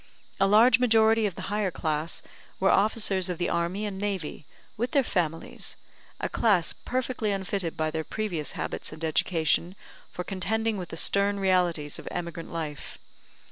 A large majority of the higher class were officers of the army and navy, with their families a class perfectly unfitted by their previous habits and education for contending with the stern realities of emigrant life.